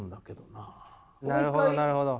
なるほどなるほど。